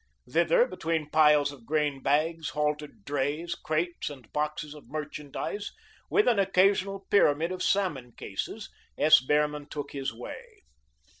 Thither, between piles of grain bags, halted drays, crates and boxes of merchandise, with an occasional pyramid of salmon cases, S. Behrman took his way.